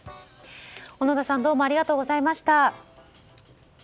小野田さんどうもありがとうございました。